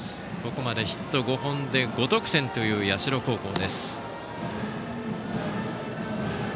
ここまでヒット５本で５得点という社高校。